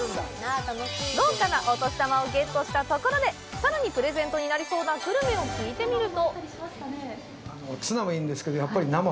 豪華なお年玉をゲットしたところでさらにプレゼントになりそうなグルメを聞いてみると！